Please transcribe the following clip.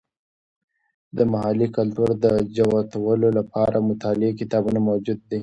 د محلي کلتور د جوتولو لپاره د مطالعې کتابونه موجود دي.